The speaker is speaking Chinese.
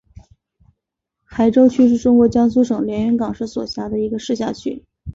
海州区是中国江苏省连云港市所辖的一个市辖区。